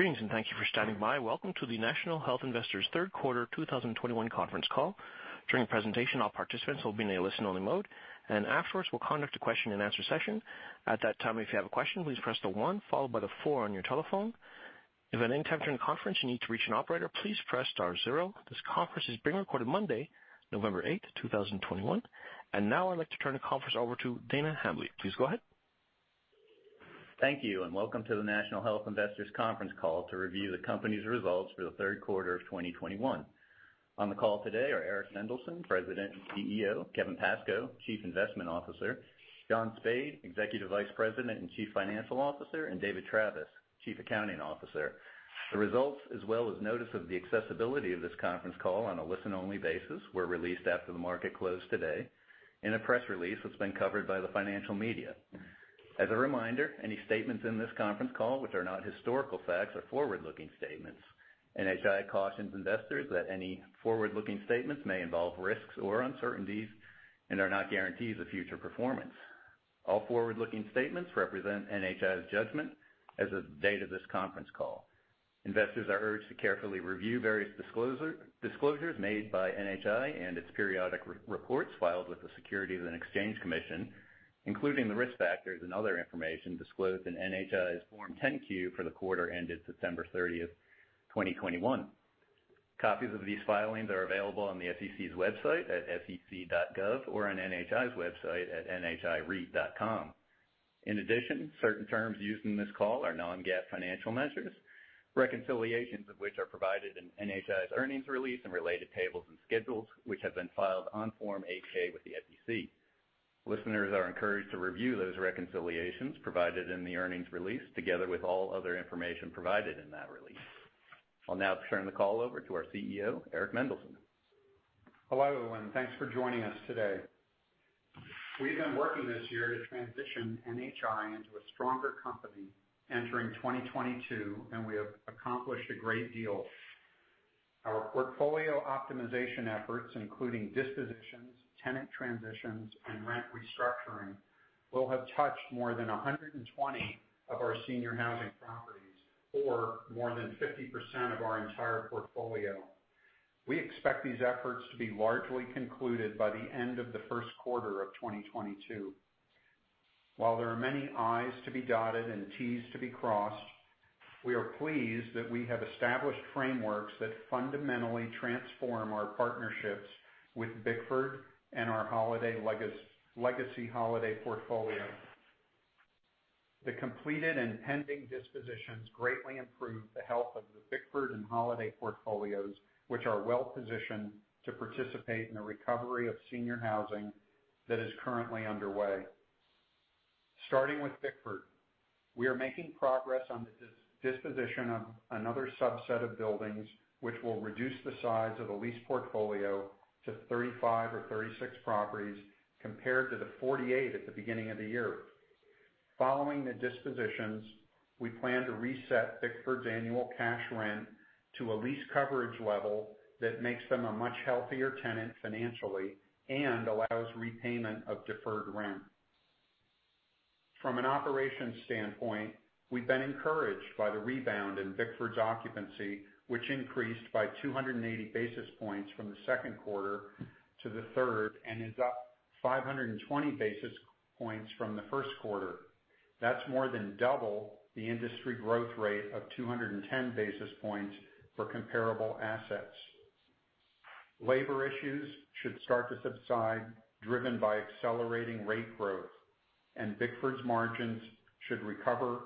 Greetings, and thank you for standing by. Welcome to the National Health Investors Q3 2021 conference call. During the presentation, all participants will be in a listen-only mode, and afterwards, we'll conduct a question-and-answer session. At that time, if you have a question, please press one followed by four on your telephone. If at any time during the conference, you need to reach an operator, please press star 0. This conference is being recorded Monday, November 8th, 2021. Now I'd like to turn the conference over to Dana Hambly. Please go ahead. Thank you, and welcome to the National Health Investors conference call to review the company's results for the Q3 of 2021. On the call today are Eric Mendelsohn, President and CEO; Kevin Pascoe, Chief Investment Officer; John Spaid, Executive Vice President and Chief Financial Officer; and David Travis, Chief Accounting Officer. The results, as well as notice of the accessibility of this conference call on a listen-only basis, were released after the market closed today in a press release that's been covered by the financial media. As a reminder, any statements in this conference call which are not historical facts are forward-looking statements. NHI cautions investors that any forward-looking statements may involve risks or uncertainties and are not guarantees of future performance. All forward-looking statements represent NHI's judgment as of the date of this conference call. Investors are urged to carefully review various disclosures made by NHI and its periodic reports filed with the Securities and Exchange Commission, including the risk factors and other information disclosed in NHI's Form 10-Q for the quarter ended September 30th, 2021. Copies of these filings are available on the SEC's website at sec.gov or on NHI's website at nhireit.com. In addition, certain terms used in this call are non-GAAP financial measures, reconciliations of which are provided in NHI's earnings release and related tables and schedules, which have been filed on Form 8-K with the SEC. Listeners are encouraged to review those reconciliations provided in the earnings release together with all other information provided in that release. I'll now turn the call over to our CEO, Eric Mendelsohn. Hello, everyone. Thanks for joining us today. We've been working this year to transition NHI into a stronger company entering 2022, and we have accomplished a great deal. Our portfolio optimization efforts, including dispositions, tenant transitions, and rent restructuring, will have touched more than 120 of our senior housing properties or more than 50% of our entire portfolio. We expect these efforts to be largely concluded by the end of the Q1 of 2022. While there are many I's to be dotted and T's to be crossed, we are pleased that we have established frameworks that fundamentally transform our partnerships with Bickford and our Legacy Holiday portfolio. The completed and pending dispositions greatly improve the health of the Bickford and Holiday portfolios, which are well-positioned to participate in the recovery of senior housing that is currently underway. Starting with Bickford, we are making progress on the disposition of another subset of buildings, which will reduce the size of the lease portfolio to 35 or 36 properties compared to the 48 at the beginning of the year. Following the dispositions, we plan to reset Bickford's annual cash rent to a lease coverage level that makes them a much healthier tenant financially and allows repayment of deferred rent. From an operations standpoint, we've been encouraged by the rebound in Bickford's occupancy, which increased by 280 basis points from the Q2 to the third and is up 520 basis points from the Q1. That's more than double the industry growth rate of 210 basis points for comparable assets. Labor issues should start to subside, driven by accelerating rate growth, and Bickford's margins should recover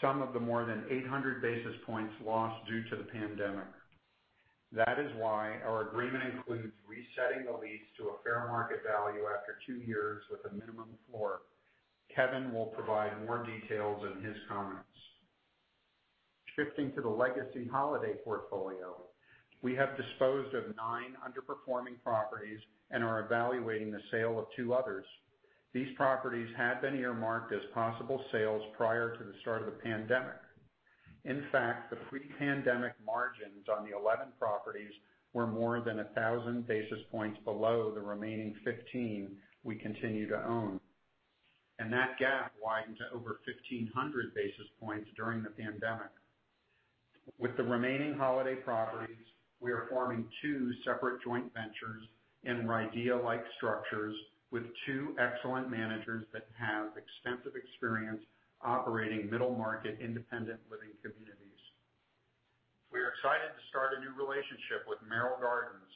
some of the more than 800 basis points lost due to the pandemic. That is why our agreement includes resetting the lease to a fair market value after two years with a minimum floor. Kevin will provide more details in his comments. Shifting to the Legacy Holiday portfolio, we have disposed of 9 underperforming properties and are evaluating the sale of two others. These properties had been earmarked as possible sales prior to the start of the pandemic. In fact, the pre-pandemic margins on the 11 properties were more than 1,000 basis points below the remaining 15 we continue to own. That gap widened to over 1,500 basis points during the pandemic. With the remaining Holiday properties, we are forming two separate joint ventures in RIDEA-like structures with two excellent managers that have extensive experience operating middle-market, independent living communities. We are excited to start a new relationship with Merrill Gardens,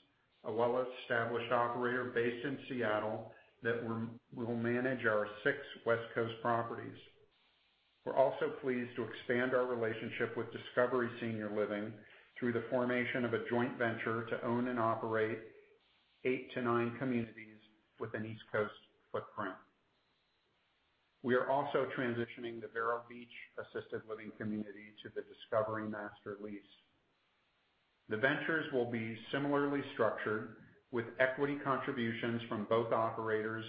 a well-established operator based in Seattle that will manage our 6 West Coast properties. We're also pleased to expand our relationship with Discovery Senior Living through the formation of a joint venture to own and operate 8-9 communities with an East Coast footprint. We are also transitioning the Vero Beach Assisted Living Community to the Discovery Master Lease. The ventures will be similarly structured with equity contributions from both operators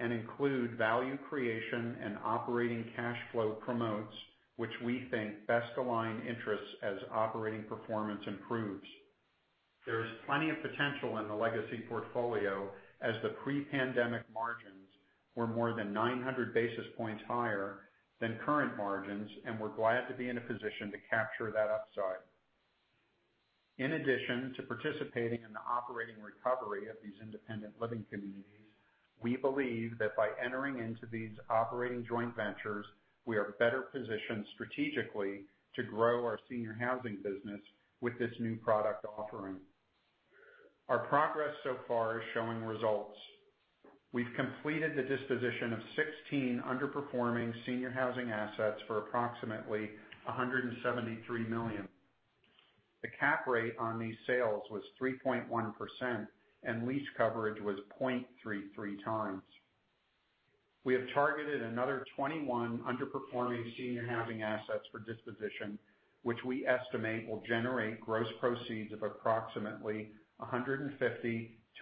and include value creation and operating cash flow promotes, which we think best align interests as operating performance improves. There is plenty of potential in the legacy portfolio as the pre-pandemic margins were more than 900 basis points higher than current margins, and we're glad to be in a position to capture that upside. In addition to participating in the operating recovery of these independent living communities, we believe that by entering into these operating joint ventures, we are better positioned strategically to grow our senior housing business with this new product offering. Our progress so far is showing results. We've completed the disposition of 16 underperforming senior housing assets for approximately $173 million. The cap rate on these sales was 3.1% and lease coverage was 0.33x. We have targeted another 21 underperforming senior housing assets for disposition, which we estimate will generate gross proceeds of approximately $150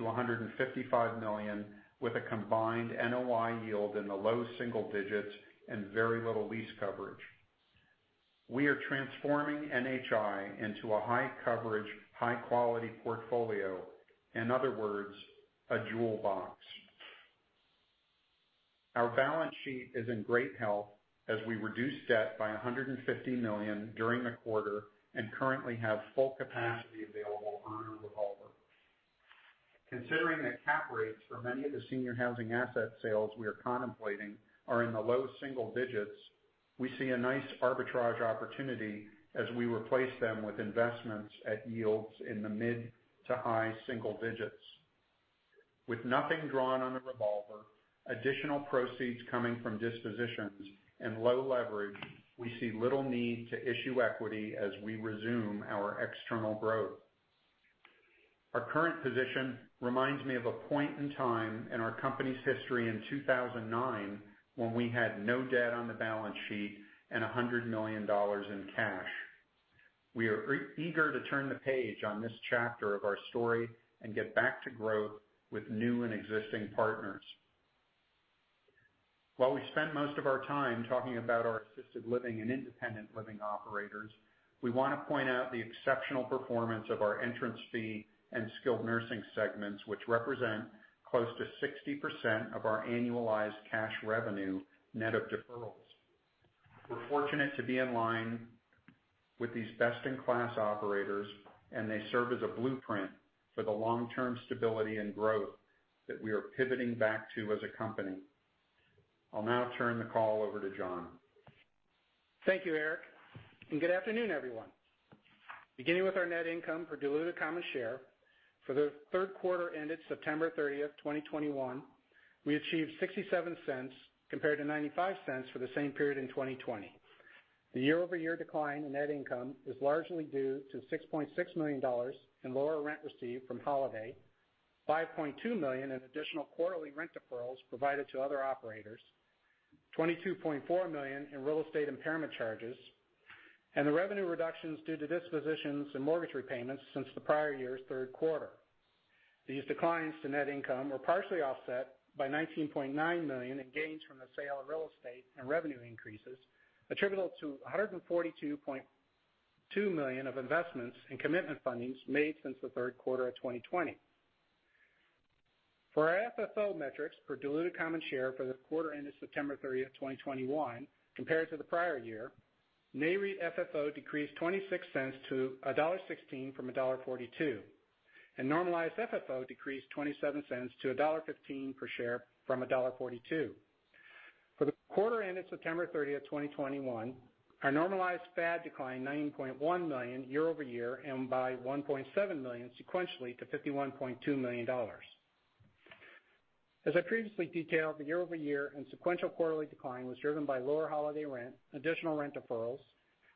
million-$155 million with a combined NOI yield in the low single digits and very little lease coverage. We are transforming NHI into a high coverage, high quality portfolio, in other words, a jewel box. Our balance sheet is in great health as we reduce debt by $150 million during the quarter and currently have full capacity available on our revolver. Considering that cap rates for many of the senior housing asset sales we are contemplating are in the low single digits, we see a nice arbitrage opportunity as we replace them with investments at yields in the mid to high-single-digits. With nothing drawn on the revolver, additional proceeds coming from dispositions and low leverage, we see little need to issue equity as we resume our external growth. Our current position reminds me of a point in time in our company's history in 2009, when we had no debt on the balance sheet and $100 million in cash. We are eager to turn the page on this chapter of our story and get back to growth with new and existing partners. While we spend most of our time talking about our assisted living and independent living operators, we wanna point out the exceptional performance of our entrance fee and skilled nursing segments, which represent close to 60% of our annualized cash revenue net of deferrals. We're fortunate to be in line with these best-in-class operators, and they serve as a blueprint for the long-term stability and growth that we are pivoting back to as a company. I'll now turn the call over to John. Thank you, Eric, and good afternoon, everyone. Beginning with our net income for diluted common share. For the Q3 ended September 30th, 2021, we achieved $0.67 compared to $0.95 for the same period in 2020. The year-over-year decline in net income is largely due to $6.6 million in lower rent received from Holiday, $5.2 million in additional quarterly rent deferrals provided to other operators, $22.4 million in real estate impairment charges, and the revenue reductions due to dispositions and mortgage repayments since the prior year's Q3. These declines to net income were partially offset by $19.9 million in gains from the sale of real estate and revenue increases, attributable to $142.2 million of investments and commitment fundings made since the Q3 of 2020. For our FFO metrics for diluted common share for the quarter ended September 30th, 2021 compared to the prior year, Nareit FFO decreased $0.26-$1.16 from $1.42, and normalized FFO decreased $0.27-$1.15 per share from $1.42. For the quarter ended September 30th, 2021, our normalized FAD declined $9.1 million year-over-year and by $1.7 million sequentially to $51.2 million. As I previously detailed, the year-over-year and sequential quarterly decline was driven by lower Holiday rent, additional rent deferrals,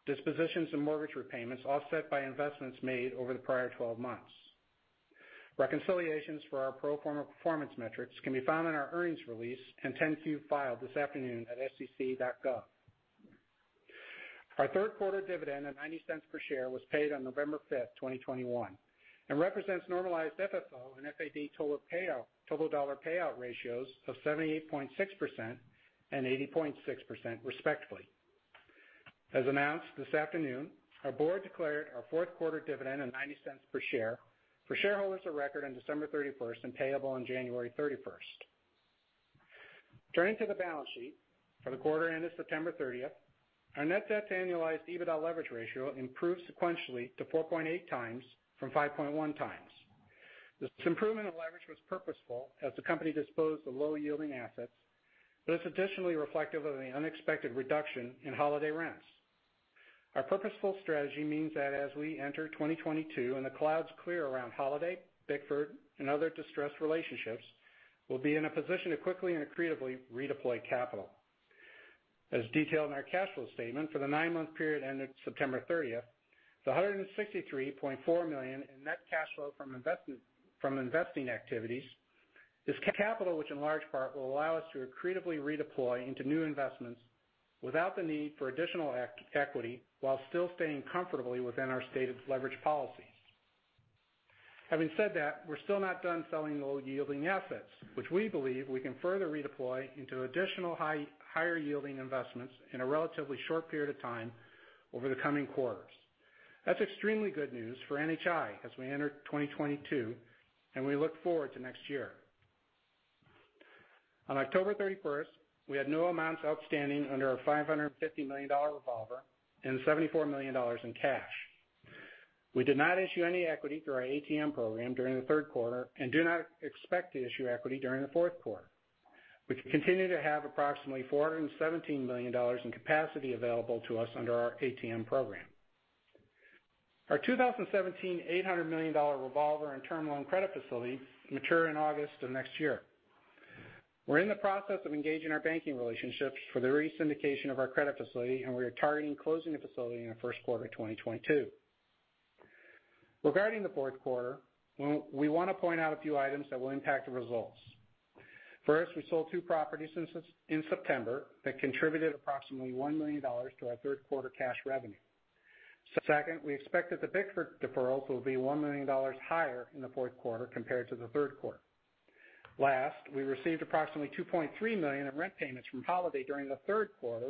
dispositions, and mortgage repayments offset by investments made over the prior 12 months. Reconciliations for our pro forma performance metrics can be found in our earnings release and 10-Q filed this afternoon at sec.gov. Our Q3 dividend of $0.90 per share was paid on November 5th, 2021, and represents normalized FFO and FAD total payout total dollar payout ratios of 78.6% and 80.6% respectively. As announced this afternoon, our board declared our Q4 dividend of $0.90 per share for shareholders of record on December 31st and payable on January 31st. Turning to the balance sheet for the quarter end of September 30st, our net debt to annualized EBITDA leverage ratio improved sequentially to 4.8x from 5.1x. This improvement of leverage was purposeful as the company disposed of low-yielding assets, but it's additionally reflective of the unexpected reduction in Holiday rents. Our purposeful strategy means that as we enter 2022 and the clouds clear around Holiday, Bickford, and other distressed relationships, we'll be in a position to quickly and accretively redeploy capital. As detailed in our cash flow statement, for the nine-month period ended September 30th, the $163.4 million in net cash flow from investing activities is capital which in large part will allow us to accretively redeploy into new investments without the need for additional equity while still staying comfortably within our stated leverage policy. Having said that, we're still not done selling low-yielding assets, which we believe we can further redeploy into additional higher yielding investments in a relatively short period of time over the coming quarters. That's extremely good news for NHI as we enter 2022, and we look forward to next year. On October 31st, we had no amounts outstanding under our $550 million revolver and $74 million in cash. We did not issue any equity through our ATM program during the Q3 and do not expect to issue equity during the Q4. We continue to have approximately $417 million in capacity available to us under our ATM program. Our 2017 $800 million revolver and term loan credit facility mature in August of next year. We're in the process of engaging our banking relationships for the re-syndication of our credit facility, and we are targeting closing the facility in the Q1 of 2022. Regarding the Q4, we wanna point out a few items that will impact the results. First, we sold two properties in September that contributed approximately $1 million to our Q3 cash revenue. Second, we expect that the Bickford deferrals will be $1 million higher in the Q4 compared to the Q3. Last, we received approximately $2.3 million in rent payments from Holiday during the Q3.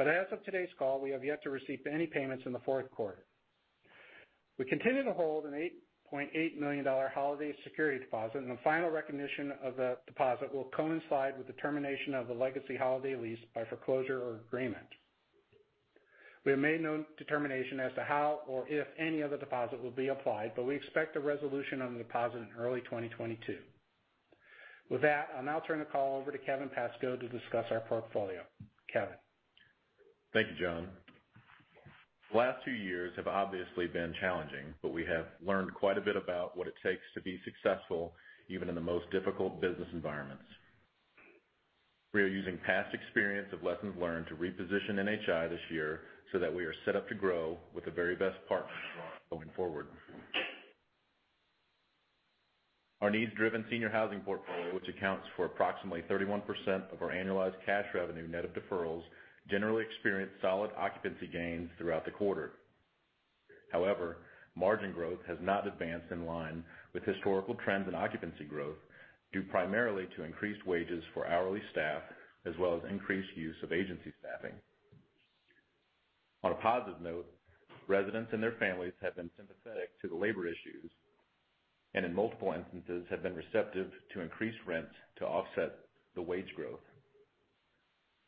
As of today's call, we have yet to receive any payments in the Q4. We continue to hold an $8.8 million Holiday security deposit, and the final recognition of the deposit will coincide with the termination of the legacy Holiday lease by foreclosure or agreement. We have made no determination as to how or if any of the deposit will be applied, but we expect a resolution on the deposit in early 2022. With that, I'll now turn the call over to Kevin Pascoe to discuss our portfolio. Kevin? Thank you, John. The last two years have obviously been challenging, but we have learned quite a bit about what it takes to be successful even in the most difficult business environments. We are using past experience of lessons learned to reposition NHI this year so that we are set up to grow with the very best partners going forward. Our needs-driven senior housing portfolio, which accounts for approximately 31% of our annualized cash revenue net of deferrals, generally experienced solid occupancy gains throughout the quarter. However, margin growth has not advanced in line with historical trends in occupancy growth, due primarily to increased wages for hourly staff, as well as increased use of agency staffing. On a positive note, residents and their families have been sympathetic to the labor issues, and in multiple instances have been receptive to increased rents to offset the wage growth.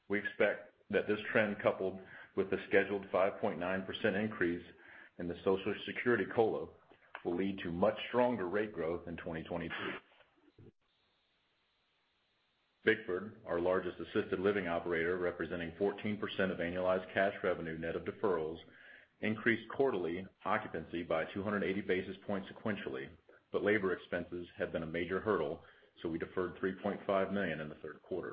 We expect that this trend, coupled with the scheduled 5.9% increase in the Social Security COLA, will lead to much stronger rate growth in 2022. Bickford, our largest assisted living operator, representing 14% of annualized cash revenue net of deferrals, increased quarterly occupancy by 280 basis points sequentially, but labor expenses have been a major hurdle, so we deferred $3.5 million in the Q3.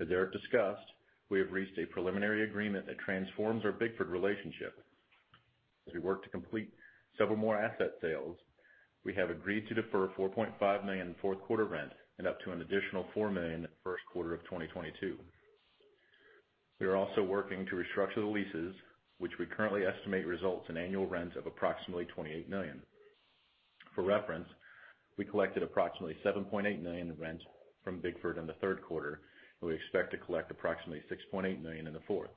As Eric discussed, we have reached a preliminary agreement that transforms our Bickford relationship. As we work to complete several more asset sales, we have agreed to defer $4.5 million Q4 rent and up to an additional $4 million Q1 of 2022. We are also working to restructure the leases, which we currently estimate results in annual rents of approximately $28 million. For reference, we collected approximately $7.8 million in rent from Bickford in the Q3, and we expect to collect approximately $6.8 million in the fourth.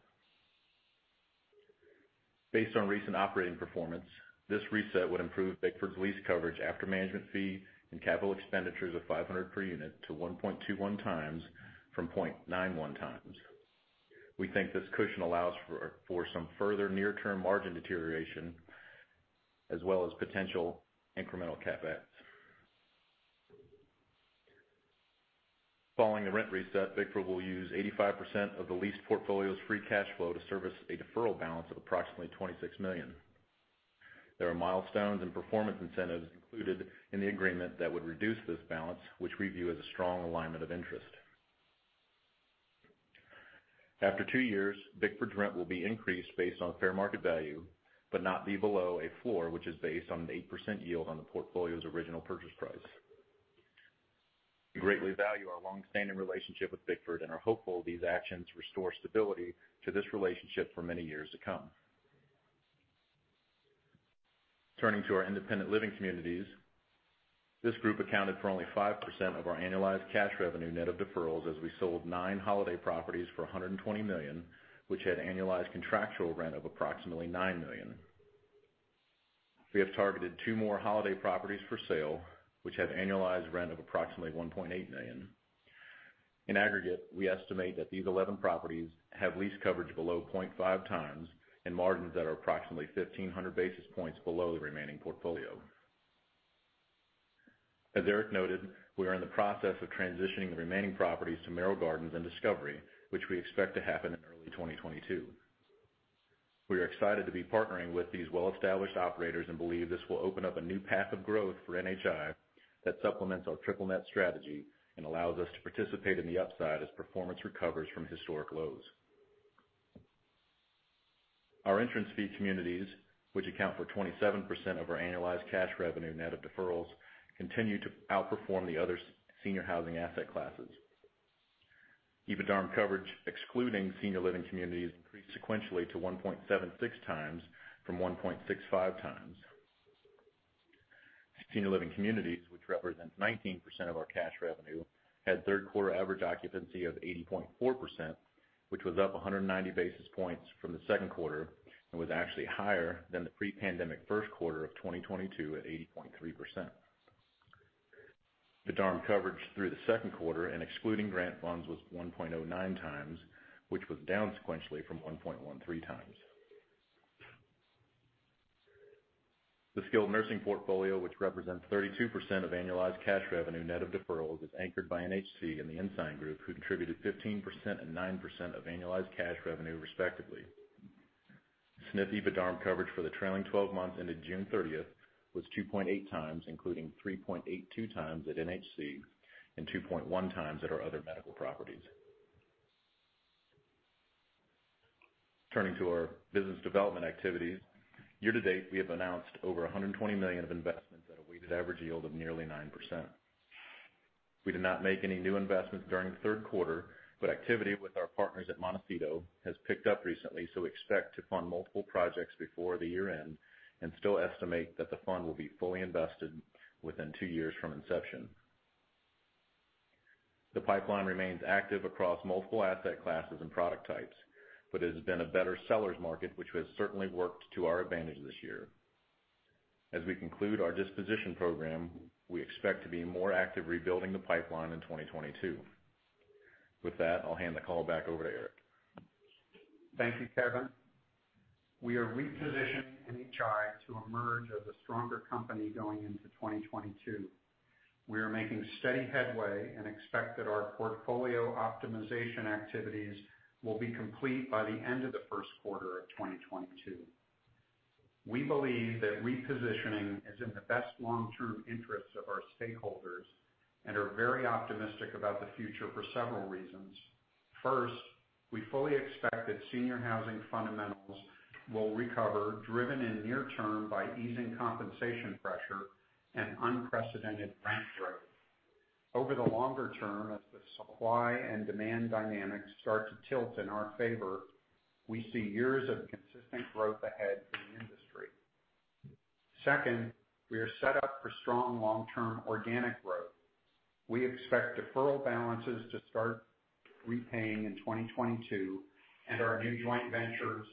Based on recent operating performance, this reset would improve Bickford's lease coverage after management fee and capital expenditures of $500 per unit to 1.21x from 0.91x. We think this cushion allows for some further near-term margin deterioration as well as potential incremental CapEx. Following the rent reset, Bickford will use 85% of the leased portfolio's free cash flow to service a deferral balance of approximately $26 million. There are milestones and performance incentives included in the agreement that would reduce this balance, which we view as a strong alignment of interest. After two years, Bickford's rent will be increased based on fair market value but not be below a floor which is based on an 8% yield on the portfolio's original purchase price. We greatly value our long-standing relationship with Bickford and are hopeful these actions restore stability to this relationship for many years to come. Turning to our independent living communities, this group accounted for only 5% of our annualized cash revenue net of deferrals as we sold 9 Holiday properties for $120 million, which had annualized contractual rent of approximately $9 million. We have targeted 2 more Holiday properties for sale, which have annualized rent of approximately $1.8 million. In aggregate, we estimate that these 11 properties have lease coverage below 0.5x and margins that are approximately 1,500 basis points below the remaining portfolio. As Eric noted, we are in the process of transitioning the remaining properties to Merrill Gardens and Discovery, which we expect to happen in early 2022. We are excited to be partnering with these well-established operators and believe this will open up a new path of growth for NHI that supplements our triple net strategy and allows us to participate in the upside as performance recovers from historic lows. Our entrance fee communities, which account for 27% of our annualized cash revenue net of deferrals, continue to outperform the other senior housing asset classes. EBITDA coverage excluding senior living communities increased sequentially to 1.76x from 1.65x. Senior living communities, which represent 19% of our cash revenue, had Q3 average occupancy of 80.4%, which was up 190 basis points from the Q2, and was actually higher than the pre-pandemic Q1 of 2022 at 80.3%. The EBITDARM coverage through the Q2 and excluding grant funds was 1.09x, which was down sequentially from 1.13x. The skilled nursing portfolio, which represents 32% of annualized cash revenue net of deferrals, is anchored by NHC and the Ensign Group, who contributed 15% and 9% of annualized cash revenue, respectively. SNF EBITDARM coverage for the trailing twelve months ended June 30th was 2.8x, including 3.82x at NHC and 2.1x at our other medical properties. Turning to our business development activities. Year to date, we have announced over $120 million of investments at a weighted average yield of nearly 9%. We did not make any new investments during the Q3, but activity with our partners at Montecito has picked up recently, so we expect to fund multiple projects before the year-end and still estimate that the fund will be fully invested within 2 years from inception. The pipeline remains active across multiple asset classes and product types, but it has been a better seller's market, which has certainly worked to our advantage this year. As we conclude our disposition program, we expect to be more active rebuilding the pipeline in 2022. With that, I'll hand the call back over to Eric. Thank you, Kevin. We are repositioning NHI to emerge as a stronger company going into 2022. We are making steady headway and expect that our portfolio optimization activities will be complete by the end of the Q1 of 2022. We believe that repositioning is in the best long-term interests of our stakeholders and are very optimistic about the future for several reasons. First, we fully expect that senior housing fundamentals will recover, driven in near term by easing compensation pressure and unprecedented rent growth. Over the longer term, as the supply and demand dynamics start to tilt in our favor, we see years of consistent growth ahead for the industry. Second, we are set up for strong long-term organic growth. We expect deferral balances to start repaying in 2022, and our new joint ventures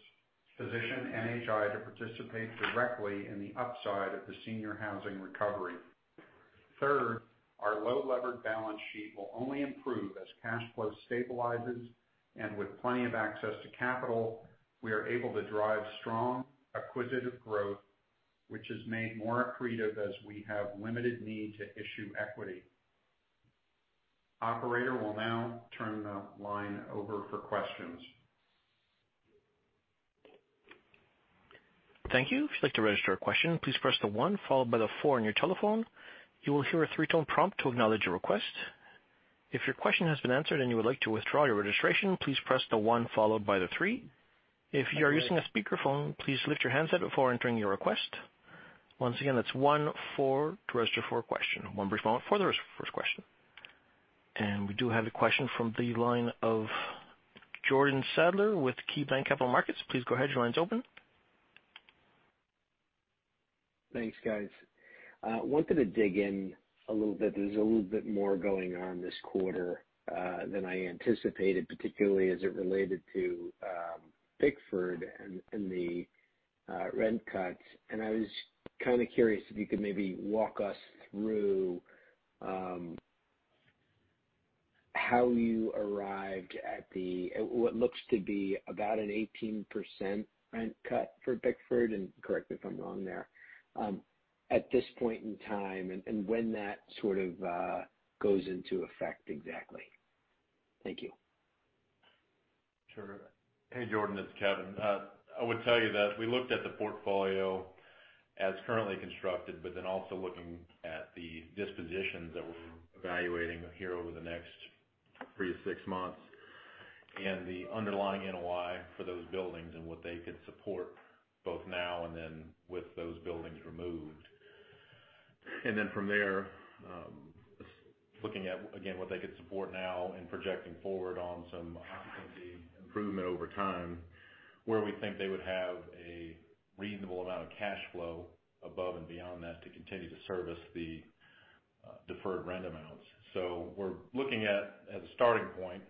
position NHI to participate directly in the upside of the senior housing recovery. Third, our low-levered balance sheet will only improve as cash flow stabilizes, and with plenty of access to capital, we are able to drive strong acquisitive growth, which is made more accretive as we have limited need to issue equity. Operator, we'll now turn the line over for questions. Thank you. Please to ask a question please press one followed by four on your telephone, you will receive a prompt on your request, if your question is not been answered and you would like to retry please press one followed by three. We do have a question from the line of Jordan Sadler with KeyBanc Capital Markets. Please go ahead. Your line is open. Thanks, guys. Wanted to dig in a little bit. There's a little bit more going on this quarter than I anticipated, particularly as it related to Bickford and the rent cuts. I was kind of curious if you could maybe walk us through how you arrived at what looks to be about an 18% rent cut for Bickford, and correct me if I'm wrong there at this point in time, and when that sort of goes into effect exactly. Thank you. Sure. Hey, Jordan, it's Kevin. I would tell you that we looked at the portfolio as currently constructed, but then also looking at the dispositions that we're evaluating here over the next 3-6 months and the underlying NOI for those buildings and what they could support both now and then with those buildings removed. Then from there, looking at, again, what they could support now and projecting forward on some occupancy improvement over time, where we think they would have a reasonable amount of cash flow above and beyond that to continue to service the deferred rent amounts. We're looking at, as a starting point,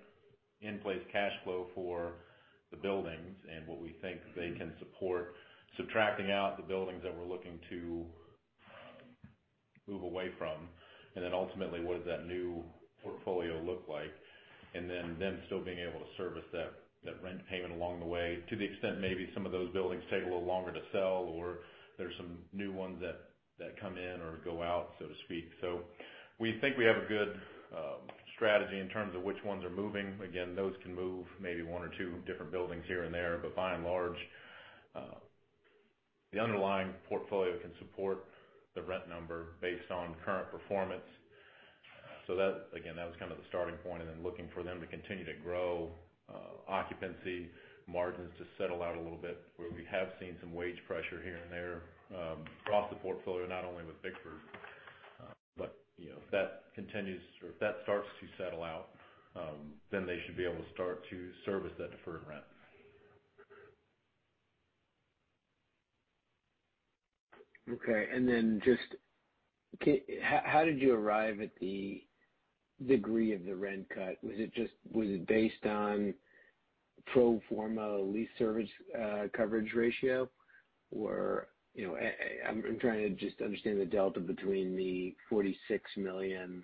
in-place cash flow for the buildings and what we think they can support, subtracting out the buildings that we're looking to move away from, and then ultimately, what does that new portfolio look like? Them still being able to service that rent payment along the way to the extent maybe some of those buildings take a little longer to sell or there's some new ones that come in or go out, so to speak. We think we have a good strategy in terms of which ones are moving. Again, those can move maybe one or two different buildings here and there. By and large, the underlying portfolio can support the rent number based on current performance. That, again, was kind of the starting point, and then looking for them to continue to grow, occupancy margins to settle out a little bit where we have seen some wage pressure here and there, across the portfolio, not only with Bickford. You know, if that continues or if that starts to settle out, then they should be able to start to service that deferred rent. Okay. How did you arrive at the degree of the rent cut? Was it just based on pro forma lease service coverage ratio? I'm trying to understand the delta between the $46 million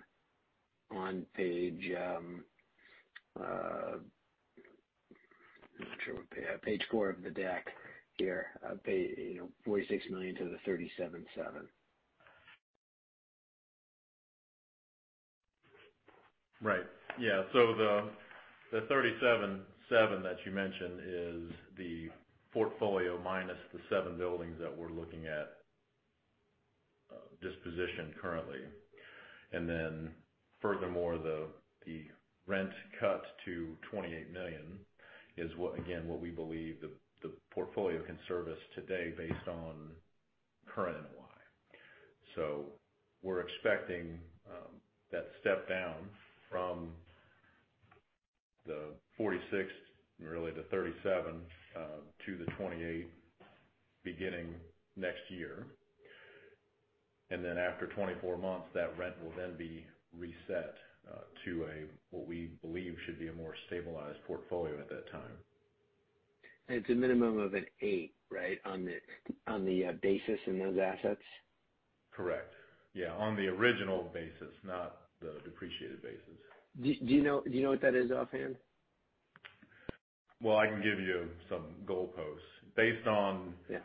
on page four of the deck here, $46 million-$37.7 million. Right. Yeah. The $37.7 million that you mentioned is the portfolio minus the 7 buildings that we're looking at disposition currently. Then furthermore, the rent cut to $28 million is what we believe the portfolio can service today based on current NOI. We're expecting that step down from the $46 million, really the $37.7 million, to the $28 million beginning next year. Then after 24 months, that rent will then be reset to what we believe should be a more stabilized portfolio at that time. It's a minimum of an 8, right? On the basis in those assets? Correct. Yeah, on the original basis, not the depreciated basis. Do you know what that is offhand? Well, I can give you some goalposts. Based on- Yeah...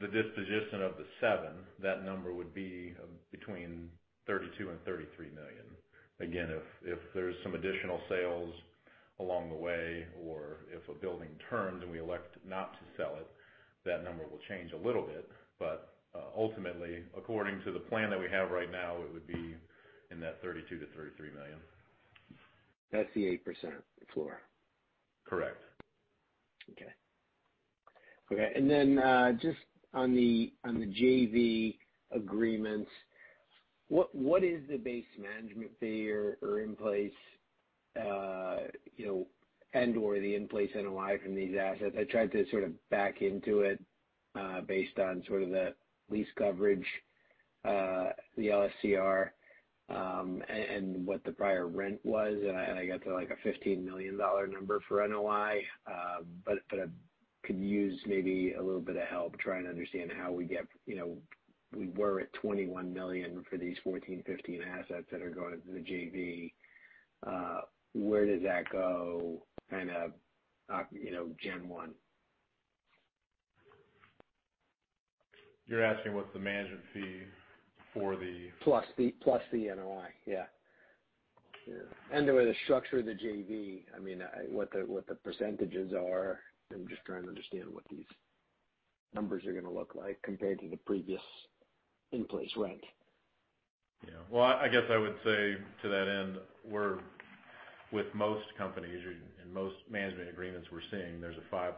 the disposition of the seven, that number would be between $32 million and $33 million. Again, if there's some additional sales along the way or if a building turns and we elect not to sell it, that number will change a little bit. Ultimately, according to the plan that we have right now, it would be in that $32 million-$33 million. That's the 8% floor. Correct. Okay. Just on the JV agreements, what is the base management fee or in place, you know, and/or the in-place NOI from these assets? I tried to sort of back into it, based on sort of the lease coverage, the LSCR, and what the prior rent was, and I got to, like, a $15 million number for NOI. I could use maybe a little bit of help trying to understand how we get, you know, we were at $21 million for these 14, 15 assets that are going into the JV. Where does that go kind of, January? You're asking what's the management fee for the- Plus the NOI, yeah. The way to structure the JV. I mean, what the percentages are. I'm just trying to understand what these numbers are gonna look like compared to the previous in-place rent. Yeah. Well, I guess I would say to that end, we're, with most companies or in most management agreements we're seeing, there's a 5%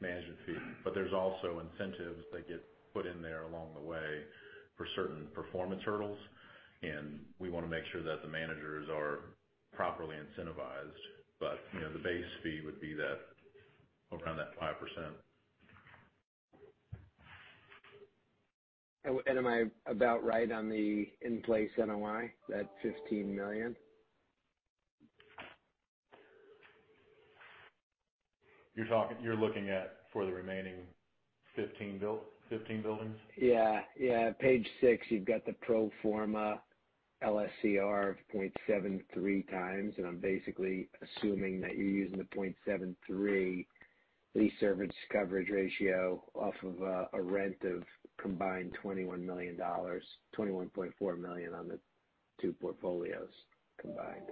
management fee, but there's also incentives that get put in there along the way for certain performance hurdles, and we wanna make sure that the managers are properly incentivized. You know, the base fee would be that, around that 5%. Am I about right on the in-place NOI, that $15 million? You're looking at for the remaining 15 buildings? Yeah, yeah. Page six, you've got the pro forma LSCR of 0.73x, and I'm basically assuming that you're using the 0.73 lease service coverage ratio off of a rent of combined $21 million, $21.4 million on the two portfolios combined.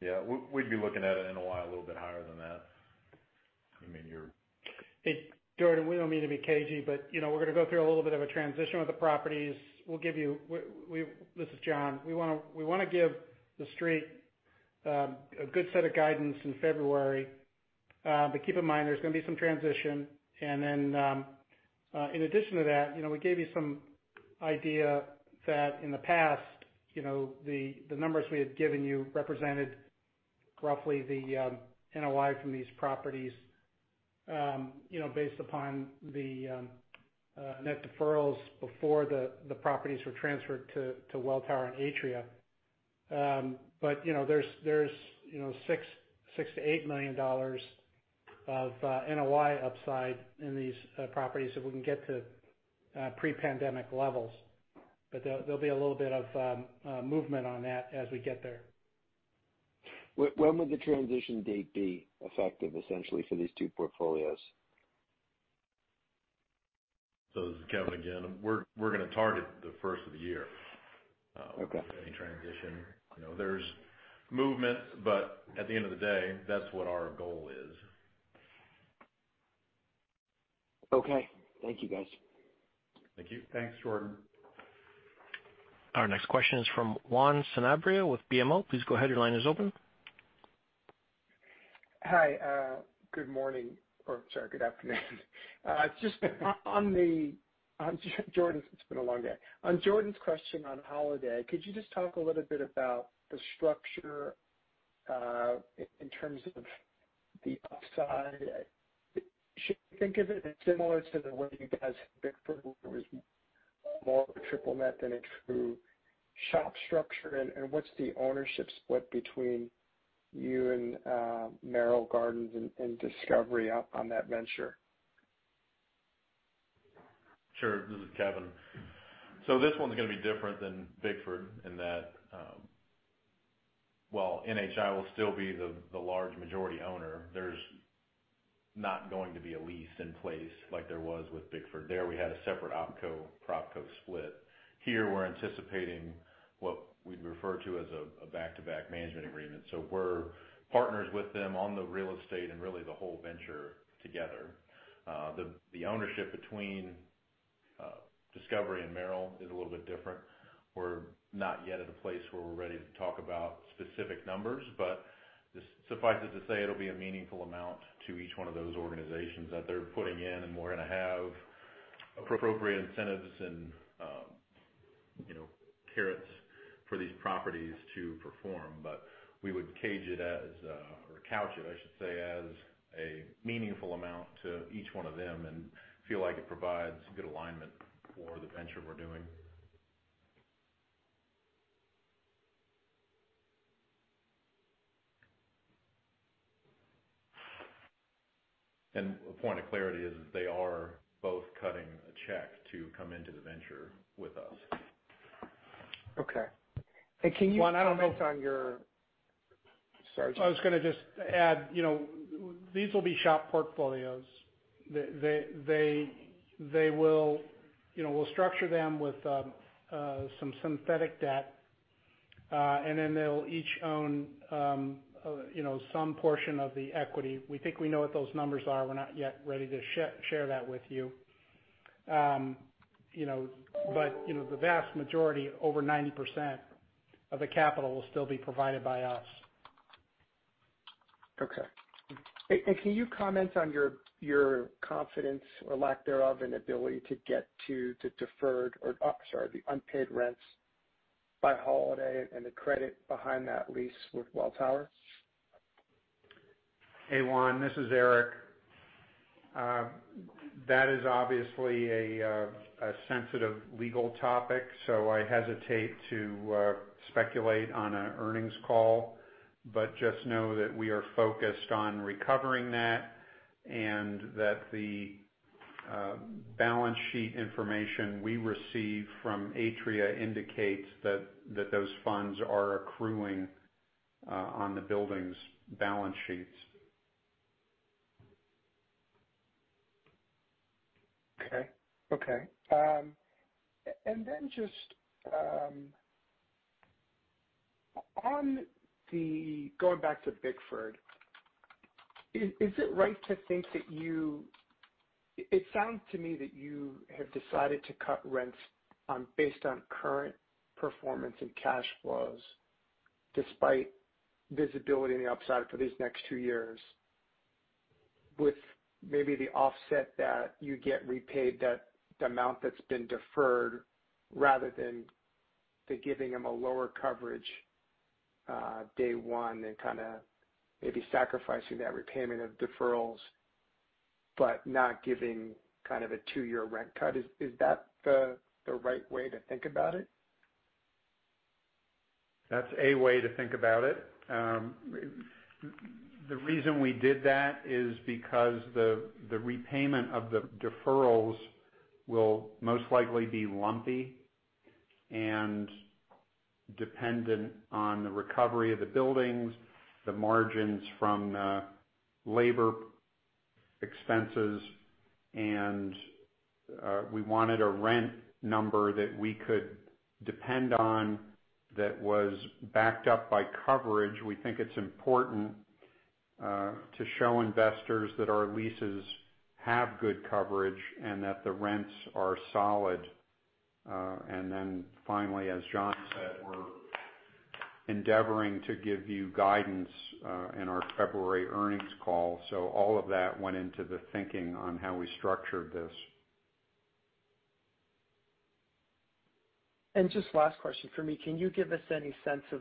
Yeah. We'd be looking at an NOI a little bit higher than that. I mean, you're Hey, Jordan, we don't mean to be cagey, but, you know, we're gonna go through a little bit of a transition with the properties. We'll give you. This is John. We want to give the Street a good set of guidance in February. But keep in mind, there's gonna be some transition. Then, in addition to that, you know, we gave you some idea that in the past, you know, the numbers we had given you represented roughly the NOI from these properties, you know, based upon the net deferrals before the properties were transferred to Welltower and Atria. But, you know, there's $6 million-$8 million of NOI upside in these properties if we can get to pre-pandemic levels. There'll be a little bit of movement on that as we get there. When would the transition date be effective essentially for these two portfolios? This is Kevin again. We're gonna target the first of the year. Okay with any transition. You know, there's movement, but at the end of the day, that's what our goal is. Okay. Thank you, guys. Thank you. Thanks, Jordan. Our next question is from Juan Sanabria with BMO. Please go ahead, your line is open. Hi, good morning, or sorry, good afternoon. It's been a long day. On Jordan's question on Holiday, could you just talk a little bit about the structure in terms of the upside, should we think of it as similar to the way you guys did Bickford was more of a triple net than a true shop structure? And what's the ownership split between you and Merrill Gardens and Discovery out on that venture? Sure. This is Kevin. This one's gonna be different than Bickford in that, while NHI will still be the large majority owner, there's not going to be a lease in place like there was with Bickford. There we had a separate OpCo, PropCo split. Here we're anticipating what we'd refer to as a back-to-back management agreement. We're partners with them on the real estate and really the whole venture together. The ownership between Discovery and Merrill is a little bit different. We're not yet at a place where we're ready to talk about specific numbers, but it suffices to say it'll be a meaningful amount to each one of those organizations that they're putting in, and we're gonna have appropriate incentives and, you know, carrots for these properties to perform. We would couch it, I should say, as a meaningful amount to each one of them and feel like it provides good alignment for the venture we're doing. A point of clarity is that they are both cutting a check to come into the venture with us. Okay. Hey, can you Juan, I don't know if. Sorry, John. I was gonna just add, you know, these will be shop portfolios. They will, you know, we'll structure them with some synthetic debt, and then they'll each own, you know, some portion of the equity. We think we know what those numbers are. We're not yet ready to share that with you. You know, but, you know, the vast majority, over 90% of the capital will still be provided by us. Okay. Hey, can you comment on your confidence or lack thereof, and ability to get to the unpaid rents by Holiday and the credit behind that lease with Welltower? Hey, Juan, this is Eric. That is obviously a sensitive legal topic, so I hesitate to speculate on an earnings call. Just know that we are focused on recovering that and that the balance sheet information we receive from Atria indicates that those funds are accruing on the buildings' balance sheets. Going back to Bickford, is it right to think that you. It sounds to me that you have decided to cut rents on, based on current performance and cash flows despite visibility on the upside for these next two years with maybe the offset that you get repaid that, the amount that's been deferred, rather than the giving them a lower coverage day one and kinda maybe sacrificing that repayment of deferrals, but not giving kind of a two-year rent cut. Is that the right way to think about it? That's a way to think about it. The reason we did that is because the repayment of the deferrals will most likely be lumpy and dependent on the recovery of the buildings, the margins from the labor expenses. We wanted a rent number that we could depend on that was backed up by coverage. We think it's important to show investors that our leases have good coverage and that the rents are solid. Finally, as John said, we're endeavoring to give you guidance in our February earnings call. All of that went into the thinking on how we structured this. Just last question for me. Can you give us any sense of,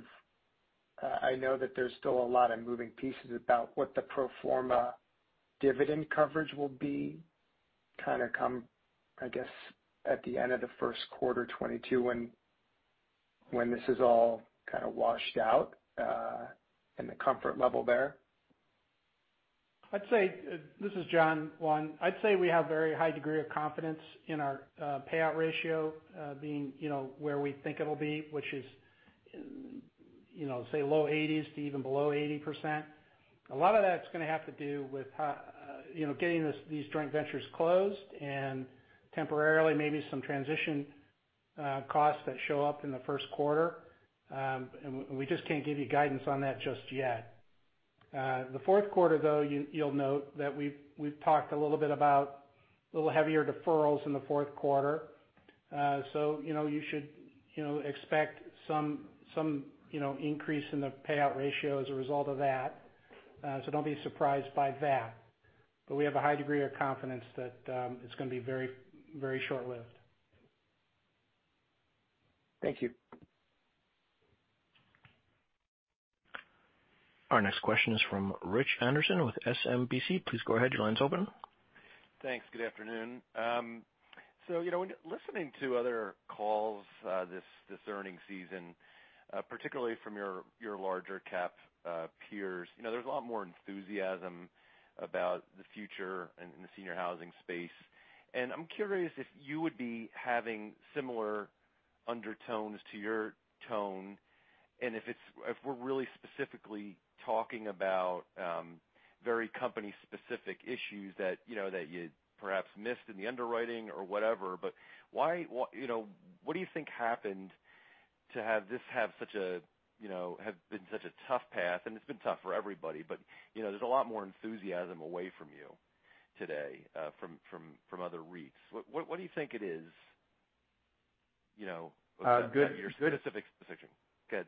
I know that there's still a lot of moving pieces about what the pro forma dividend coverage will be kinda come, I guess, at the end of the Q1 2022 when this is all kinda washed out, and the comfort level there? I'd say this is John, Juan. I'd say we have very high degree of confidence in our payout ratio being, you know, where we think it'll be, which is, you know, say low 80s to even below 80%. A lot of that's gonna have to do with how, you know, getting these joint ventures closed and temporarily maybe some transition costs that show up in the Q1. We just can't give you guidance on that just yet. The Q4 though, you'll note that we've talked a little bit about a little heavier deferrals in the Q4. You should, you know, expect some increase in the payout ratio as a result of that. Don't be surprised by that. We have a high degree of confidence that it's gonna be very, very short-lived. Thank you. Our next question is from Rich Anderson with SMBC. Please go ahead. Your line is open. Thanks. Good afternoon. So, you know, when listening to other calls, this earnings season, particularly from your large-cap peers, you know, there's a lot more enthusiasm about the future and the senior housing space. I'm curious if you would be having similar undertones to your tone and if we're really specifically talking about very company specific issues that, you know, that you perhaps missed in the underwriting or whatever. Why, you know, what do you think happened to have such a tough path, and it's been tough for everybody, but, you know, there's a lot more enthusiasm away from you today from other REITs. What do you think it is? You know- Uh, good- Your specific position. Go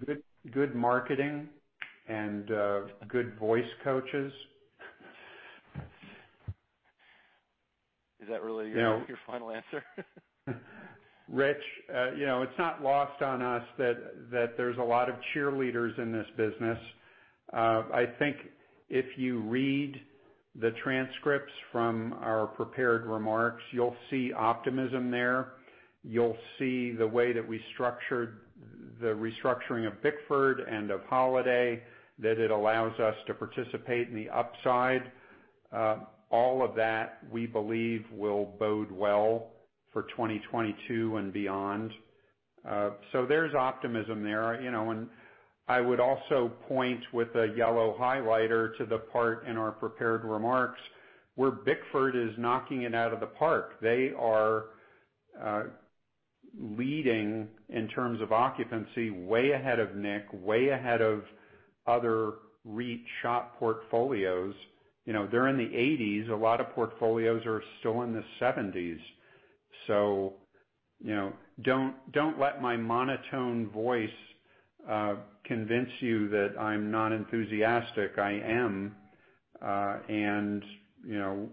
ahead. Good marketing and good voice coaches. Is that really your- You know. Your final answer? Rich, you know, it's not lost on us that there's a lot of cheerleaders in this business. I think if you read the transcripts from our prepared remarks, you'll see optimism there. You'll see the way that we structured the restructuring of Bickford and of Holiday, that it allows us to participate in the upside. All of that, we believe, will bode well for 2022 and beyond. There's optimism there, you know, and I would also point with a yellow highlighter to the part in our prepared remarks where Bickford is knocking it out of the park. They are leading in terms of occupancy, way ahead of NIC, way ahead of other REIT SHOP portfolios. You know, they're in the 80s. A lot of portfolios are still in the 70s. So, You know, don't let my monotone voice convince you that I'm not enthusiastic. I am. You know,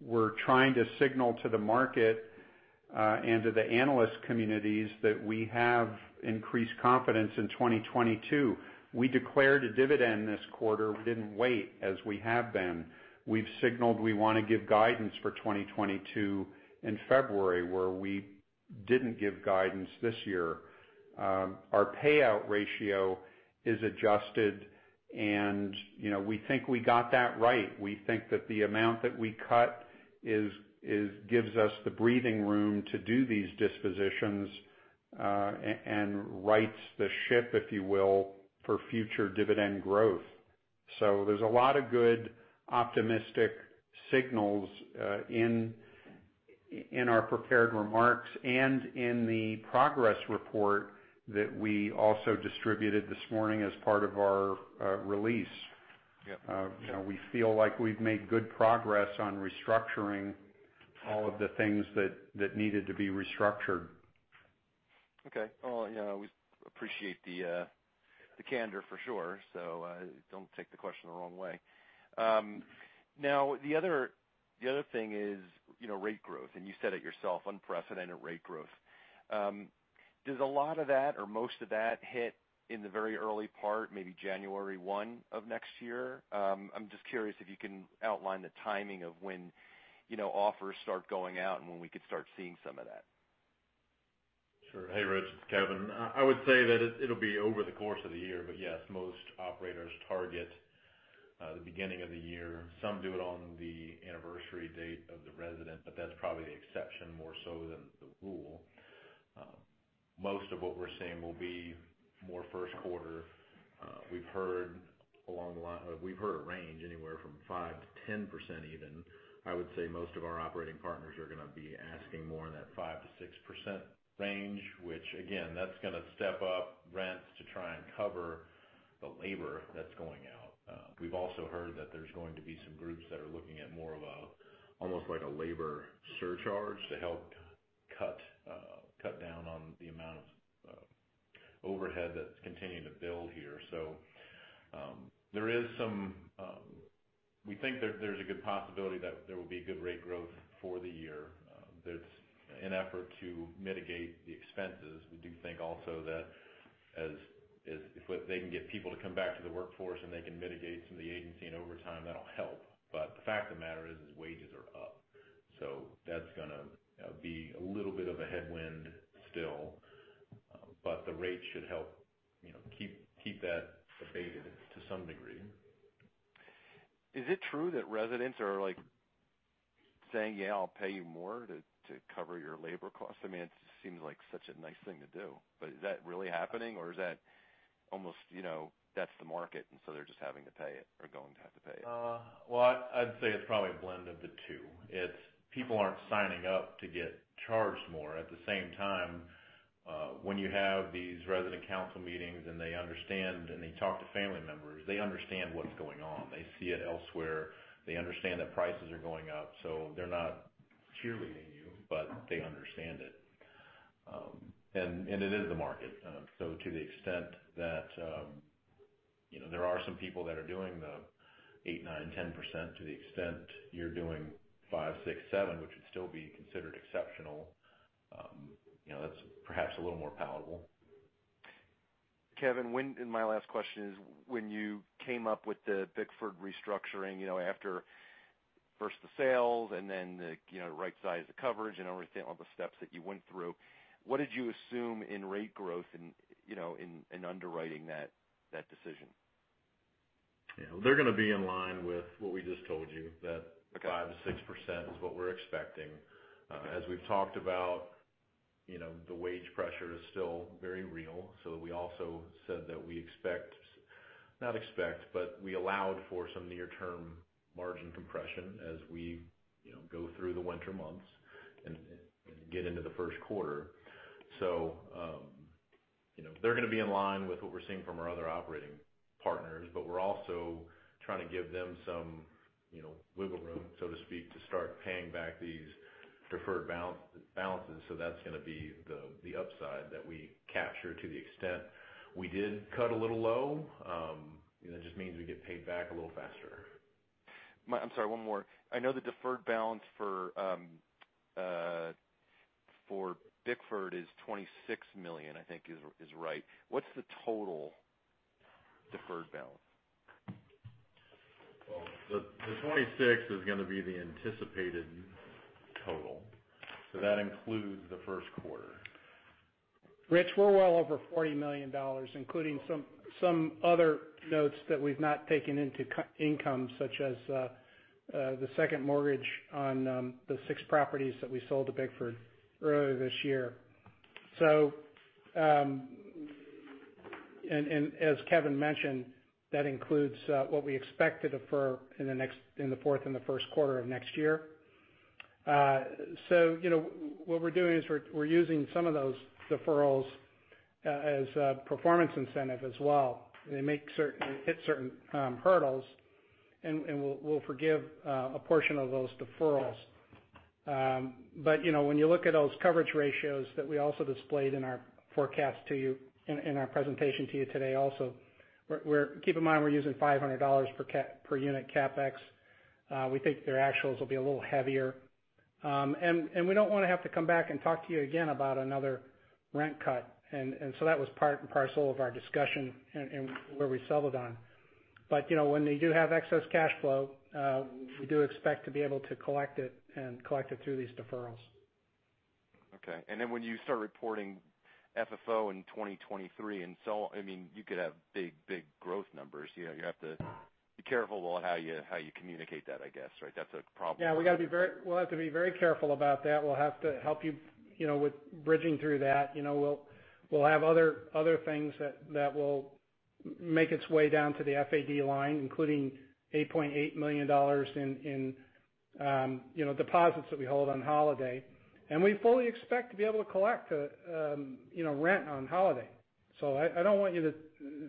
we're trying to signal to the market and to the analyst communities that we have increased confidence in 2022. We declared a dividend this quarter. We didn't wait as we have been. We've signaled we wanna give guidance for 2022 in February, where we didn't give guidance this year. Our payout ratio is adjusted and, you know, we think we got that right. We think that the amount that we cut is gives us the breathing room to do these dispositions and rights the ship, if you will, for future dividend growth. There's a lot of good optimistic signals in our prepared remarks and in the progress report that we also distributed this morning as part of our release. Yeah. You know, we feel like we've made good progress on restructuring all of the things that needed to be restructured. Okay. Well, yeah, we appreciate the candor for sure. So, don't take the question the wrong way. Now, the other thing is, you know, rate growth, and you said it yourself, unprecedented rate growth. Does a lot of that or most of that hit in the very early part, maybe January 1st of next year? I'm just curious if you can outline the timing of when, you know, offers start going out and when we could start seeing some of that. Sure. Hey, Rich, it's Kevin. I would say that it'll be over the course of the year. Yes, most operators target the beginning of the year. Some do it on the anniversary date of the resident, but that's probably the exception more so than the rule. Most of what we're seeing will be more Q1. We've heard a range anywhere from 5%-10% even. I would say most of our operating partners are gonna be asking more in that 5%-6% range, which again, that's gonna step up rents to try and cover the labor that's going out. We've also heard that there's going to be some groups that are looking at more of a, almost like a labor surcharge to help cut down on the amount of overhead that's continuing to build here. We think there's a good possibility that there will be good rate growth for the year. There's an effort to mitigate the expenses. We do think also that if they can get people to come back to the workforce and they can mitigate some of the agency and overtime, that'll help. The fact of the matter is wages are up, so that's gonna be a little bit of a headwind still. The rates should help, you know, keep that abated to some degree. Is it true that residents are, like, saying, "Yeah, I'll pay you more to cover your labor costs?" I mean, it seems like such a nice thing to do, but is that really happening or is that almost, you know, that's the market and so they're just having to pay it or going to have to pay it? Well, I'd say it's probably a blend of the two. It's people aren't signing up to get charged more. At the same time, when you have these resident council meetings and they understand and they talk to family members, they understand what's going on. They see it elsewhere. They understand that prices are going up, so they're not cheerleading you, but they understand it. And it is the market. So to the extent that, You know, there are some people that are doing 8%, 9%, 10% to the extent you're doing 5, 6, 7, which would still be considered exceptional. You know, that's perhaps a little more palatable. Kevin, my last question is, when you came up with the Bickford restructuring, you know, after first the sales and then the, you know, right size the coverage and everything, all the steps that you went through, what did you assume in rate growth in, you know, in underwriting that decision? Yeah. They're gonna be in line with what we just told you, that Okay. 5%-6% is what we're expecting. As we've talked about, you know, the wage pressure is still very real. We also said that we allowed for some near-term margin compression as we, you know, go through the winter months and get into the Q1. You know, they're gonna be in line with what we're seeing from our other operating partners, but we're also trying to give them some, you know, wiggle room, so to speak, to start paying back these preferred balances. That's gonna be the upside that we capture to the extent we did cut a little low. It just means we get paid back a little faster. I'm sorry, one more. I know the deferred balance for Bickford is $26 million, I think is right. What's the total deferred balance? Well, the 26 is gonna be the anticipated total. That includes the Q1. Rich, we're well over $40 million, including some other notes that we've not taken into cash income, such as the second mortgage on the 6 properties that we sold to Bickford earlier this year. As Kevin mentioned, that includes what we expect to defer in the fourth and the Q1 of next year. You know, what we're doing is we're using some of those deferrals as a performance incentive as well. They hit certain hurdles, and we'll forgive a portion of those deferrals. But you know, when you look at those coverage ratios that we also displayed in our forecast to you in our presentation to you today also, we're. Keep in mind, we're using $500 per unit CapEx. We think their actuals will be a little heavier. We don't wanna have to come back and talk to you again about another rent cut. So that was part and parcel of our discussion and where we settled on. You know, when they do have excess cash flow, we do expect to be able to collect it and collect it through these deferrals. Okay. When you start reporting FFO in 2023, I mean, you could have big, big growth numbers. You know, you have to be careful how you communicate that, I guess, right? That's a problem. Yeah. We'll have to be very careful about that. We'll have to help you know, with bridging through that. You know, we'll have other things that will make its way down to the FAD line, including $8.8 million in deposits that we hold on Holiday. We fully expect to be able to collect rent on Holiday. I don't want you to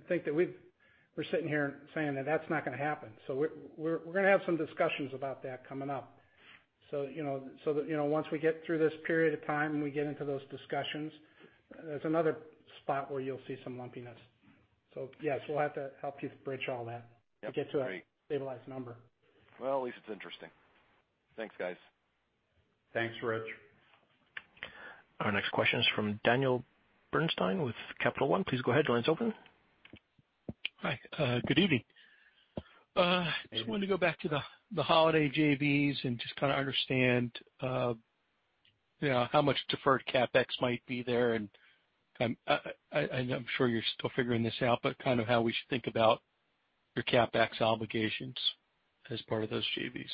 think that we're sitting here saying that that's not gonna happen. We're gonna have some discussions about that coming up. You know, once we get through this period of time, and we get into those discussions, there's another spot where you'll see some lumpiness. Yes, we'll have to help you bridge all that. Yeah. Great. to get to a stabilized number. Well, at least it's interesting. Thanks, guys. Thanks, Rich. Our next question is from Daniel Bernstein with Capital One. Please go ahead. Your line's open. Hi. Good evening. Just wanted to go back to the Holiday JVs and just kinda understand you know how much deferred CapEx might be there. I'm sure you're still figuring this out, but kind of how we should think about your CapEx obligations as part of those JVs.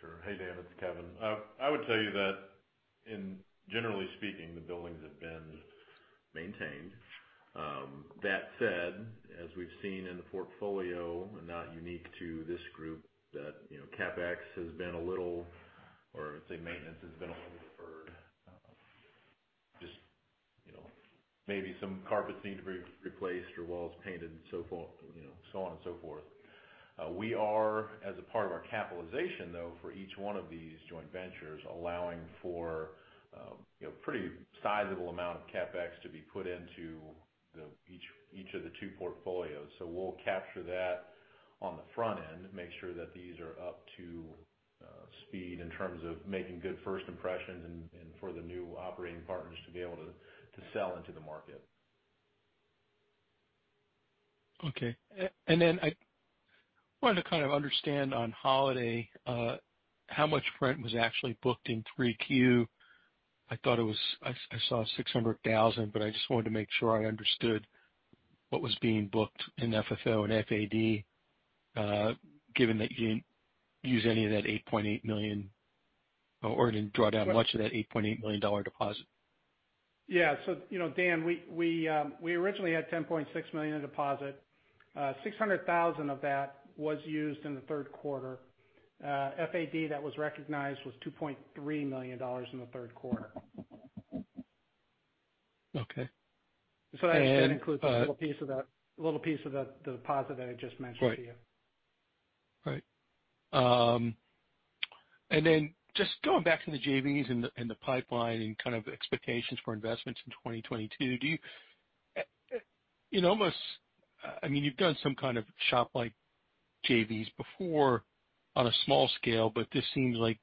Sure. Hey, Daniel, it's Kevin. I would tell you that in, generally speaking, the buildings have been maintained. That said, as we've seen in the portfolio, and not unique to this group, that, you know, CapEx has been a little, or I'd say maintenance has been a little deferred. Just, you know, maybe some carpets need to be replaced or walls painted and so forth, you know, so on and so forth. We are, as a part of our capitalization, though, for each one of these joint ventures, allowing for, you know, pretty sizable amount of CapEx to be put into each of the two portfolios. We'll capture that on the front end, make sure that these are up to speed in terms of making good first impressions and for the new operating partners to be able to sell into the market. I wanted to kind of understand on Holiday how much rent was actually booked in 3Q. I thought it was $600,000, but I just wanted to make sure I understood what was being booked in FFO and FAD, given that you didn't use any of that $8.8 million or didn't draw down much of that $8.8 million dollar deposit. You know, Daniel, we originally had $10.6 million in deposit. 600,000 of that was used in the Q3. FAD that was recognized was $2.3 million in the Q3. Okay. I understand it includes a little piece of that deposit that I just mentioned to you. Right. Just going back to the JVs and the pipeline and kind of expectations for investments in 2022, I mean, you've done some kind of SHOP-like JVs before on a small scale, but this seems like,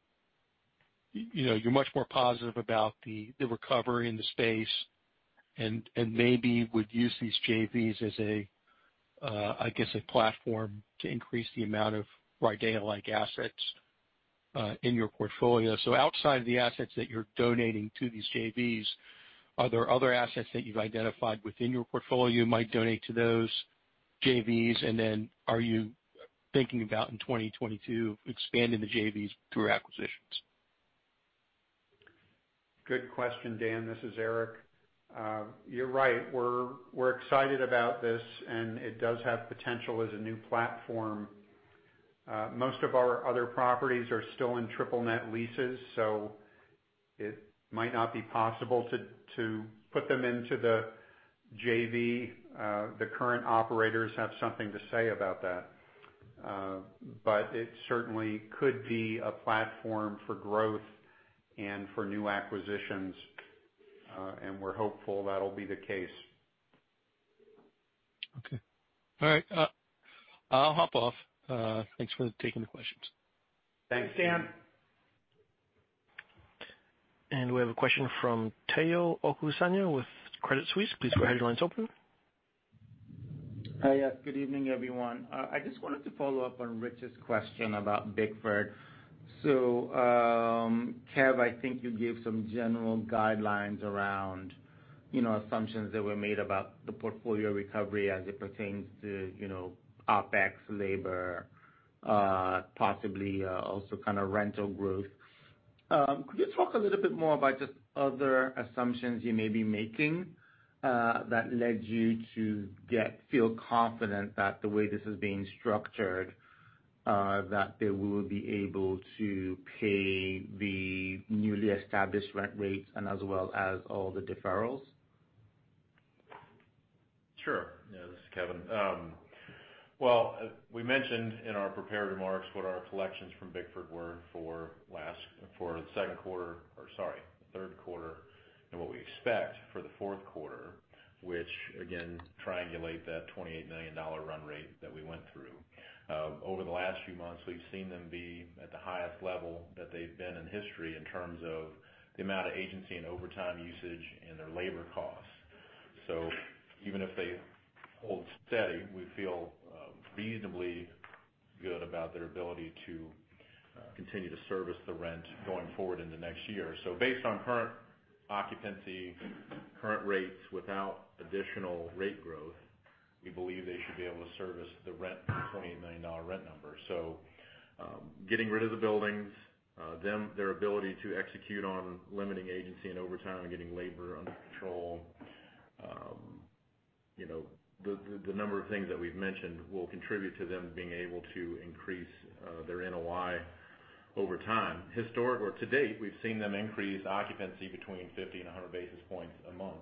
you know, you're much more positive about the recovery in the space and maybe would use these JVs as a, I guess, a platform to increase the amount of RIDEA-like assets in your portfolio. Outside the assets that you're donating to these JVs, are there other assets that you've identified within your portfolio you might donate to those JVs? Are you thinking about in 2022 expanding the JVs through acquisitions? Good question, Daniel. This is Eric. You're right. We're excited about this, and it does have potential as a new platform. Most of our other properties are still in triple net leases, so it might not be possible to put them into the JV. The current operators have something to say about that. It certainly could be a platform for growth and for new acquisitions. We're hopeful that'll be the case. Okay. All right. I'll hop off. Thanks for taking the questions. Thanks, Daniel. We have a question from Omotayo Okusanya with Credit Suisse. Please go ahead, your line's open. Hi. Yes, good evening, everyone. I just wanted to follow up on Rich's question about Bickford. Kev, I think you gave some general guidelines around, you know, assumptions that were made about the portfolio recovery as it pertains to, you know, OpEx, labor, possibly, also kind of rental growth. Could you talk a little bit more about just other assumptions you may be making, that led you to feel confident that the way this is being structured, that they will be able to pay the newly established rent rates and as well as all the deferrals? Sure. Yeah, this is Kevin. We mentioned in our prepared remarks what our collections from Bickford were for the Q3 and what we expect for the Q4, which again triangulate that $28 million run rate that we went through. Over the last few months, we've seen them be at the highest level that they've been in history in terms of the amount of agency and overtime usage and their labor costs. Even if they hold steady, we feel reasonably good about their ability to continue to service the rent going forward in the next year. Based on current occupancy, current rates without additional rate growth, we believe they should be able to service the rent, the $28 million rent number. Getting rid of the buildings, their ability to execute on limiting agency and overtime and getting labor under control, you know, the number of things that we've mentioned will contribute to them being able to increase their NOI over time. To date, we've seen them increase occupancy between 50 and 100 basis points a month.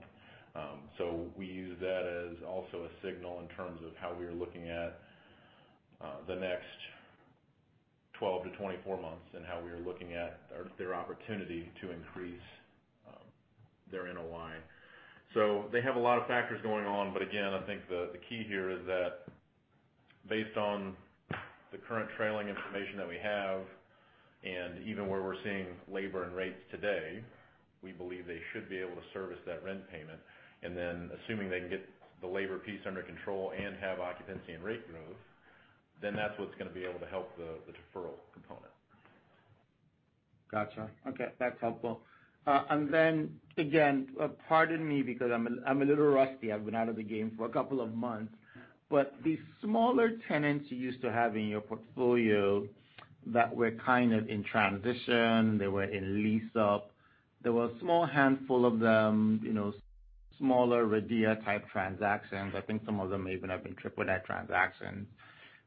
We use that as also a signal in terms of how we are looking at the next 12 to 24 months and how we are looking at their opportunity to increase their NOI. They have a lot of factors going on, but again, I think the key here is that based on the current trailing information that we have, and even where we're seeing labor and rates today, we believe they should be able to service that rent payment. Then assuming they can get the labor piece under control and have occupancy and rate growth, then that's what's gonna be able to help the deferral component. Gotcha. Okay, that's helpful. And then again, pardon me because I'm a little rusty. I've been out of the game for a couple of months. The smaller tenants you used to have in your portfolio that were kind of in transition, they were in lease up, there were a small handful of them, you know, smaller RIDEA type transactions. I think some of them may even have been triple net transactions.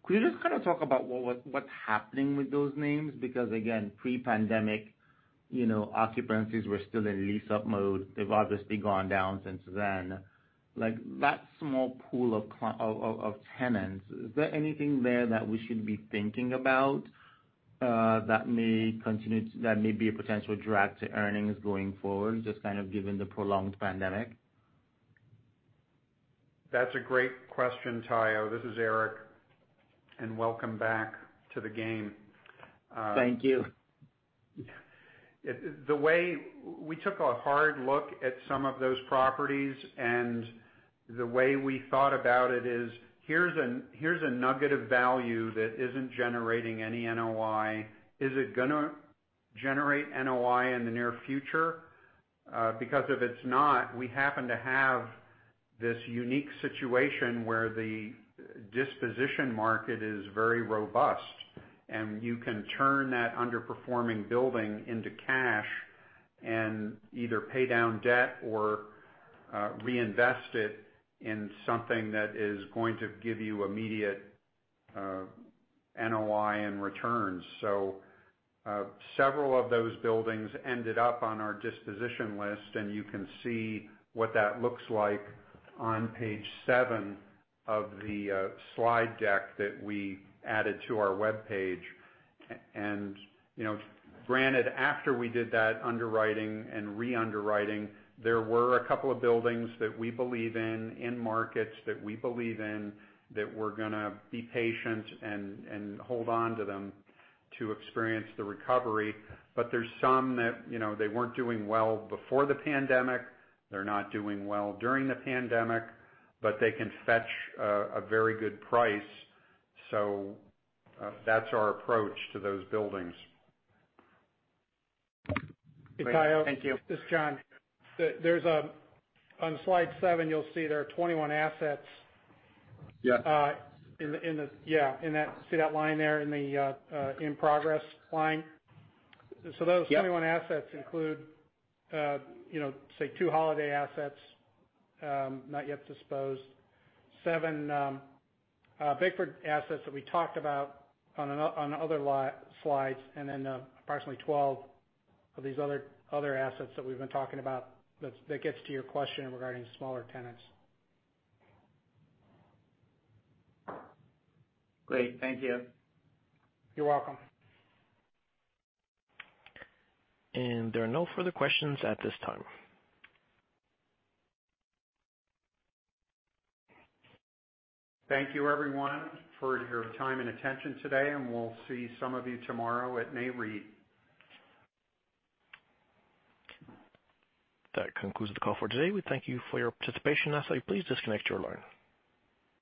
Could you just kind of talk about what's happening with those names? Because again, pre-pandemic, you know, occupancies were still in lease up mode. They've obviously gone down since then. Like, that small pool of tenants, is there anything there that we should be thinking about, that may be a potential drag to earnings going forward, just kind of given the prolonged pandemic? That's a great question, Omotayo. This is Eric, and welcome back to the game. Thank you. We took a hard look at some of those properties, and the way we thought about it is, here's a nugget of value that isn't generating any NOI. Is it gonna generate NOI in the near future? Because if it's not, we happen to have this unique situation where the disposition market is very robust, and you can turn that underperforming building into cash and either pay down debt or reinvest it in something that is going to give you immediate NOI and returns. Several of those buildings ended up on our disposition list, and you can see what that looks like on page 7 of the slide deck that we added to our webpage. you know, granted, after we did that underwriting and re-underwriting, there were a couple of buildings that we believe in markets that we believe in, that we're gonna be patient and hold on to them to experience the recovery. But there's some that, you know, they weren't doing well before the pandemic, they're not doing well during the pandemic, but they can fetch a very good price. That's our approach to those buildings. Great. Thank you. Hey, Omotayo, this is John. On slide 7, you'll see there are 21 assets- Yeah. Yeah, in that. See that line there in the in progress line? Yep. Those 21 assets include, you know, say 2 Holiday assets, not yet disposed, 7 Bickford assets that we talked about on other slides, and then approximately 12 of these other assets that we've been talking about that gets to your question regarding smaller tenants. Great. Thank you. You're welcome. There are no further questions at this time. Thank you, everyone, for your time and attention today, and we'll see some of you tomorrow at NAREIT. That concludes the call for today. We thank you for your participation. As always, please disconnect your line.